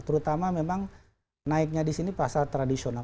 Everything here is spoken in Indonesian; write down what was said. terutama memang naiknya di sini pasar tradisional